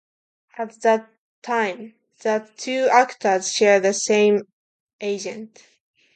At the time, the two actors shared the same agent.